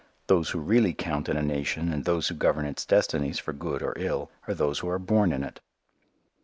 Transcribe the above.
Those who really count in a nation and those who govern its destinies for good or ill are those who are born in it.